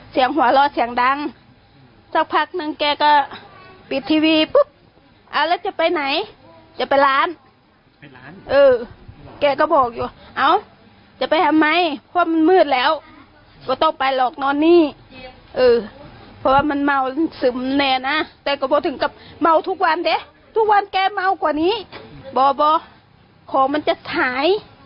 เขาเมาทุกวันเน่ะทุกวันจะเมากว่านี้บอกเพราะมันจะหาย